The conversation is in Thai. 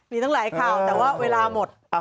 มีทั้งหลายข่าวแต่ว่าเวลาหมด